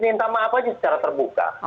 minta maaf aja secara terbuka